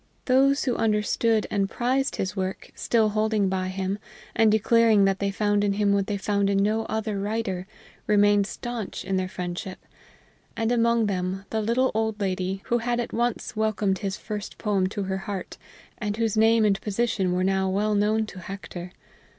Those who understood and prized his work, still holding by him, and declaring that they found in him what they found in no other writer, remained stanch in their friendship, and among them the little old lady who had at once welcomed his first poem to her heart and whose name and position were now well known to Hector.